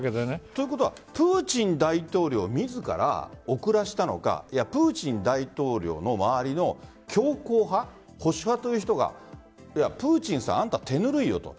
ということはプーチン大統領自ら遅らせたのかプーチン大統領の周りの強硬派保守派という人がプーチンさん、手ぬるいよと。